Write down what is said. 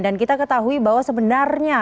dan kita ketahui bahwa sebenarnya